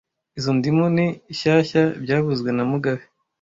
Izo ndimu ni shyashya byavuzwe na mugabe